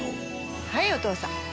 はいお父さん。